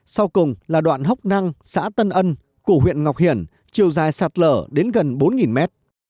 sau cùng là đoạn hốc năng xã tân ân của huyện ngọc hiển chiều dài sạt lở đến gần bốn mét